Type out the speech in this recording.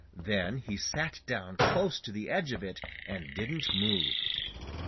Then he sat down close to the edge of it and didn't move.